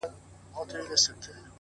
طبله، باجه، منگی، سیتار، رباب، ه یاره،